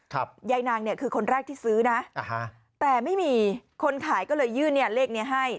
ยายนางเนี่ยคือคนแรกที่ซื้อนะอ่าฮะแต่ไม่มีคนขายก็เลยยื่นเนี่ยเลขนี้ให้